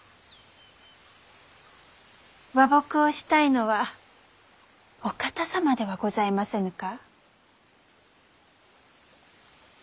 和睦をしたいのはお方様ではございませぬか？